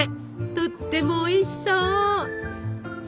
とってもおいしそう！